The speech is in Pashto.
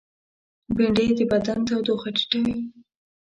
بېنډۍ د بدن تودوخه ټیټوي